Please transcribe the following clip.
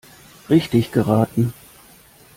Richtig geraten!